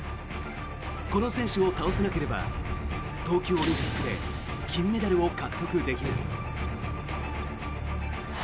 この選手を倒せなければ東京オリンピックで金メダルを獲得できない。